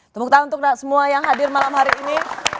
tepuk tangan untuk semua yang hadir malam hari ini